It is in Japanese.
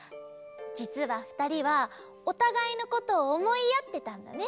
じつはふたりはおたがいのことをおもいあってたんだね。